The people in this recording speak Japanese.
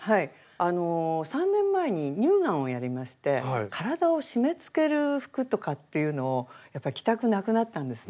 ３年前に乳がんをやりまして体を締めつける服とかっていうのをやっぱり着たくなくなったんですね。